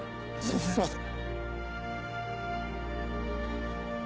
すいません。